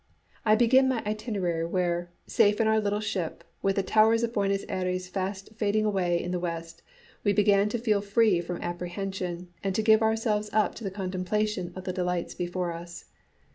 I begin my itinerary where, safe on our little ship, with the towers of Buenos Ayres fast fading away in the west, we began to feel free from apprehension and to give ourselves up to the contemplation of the delights before us.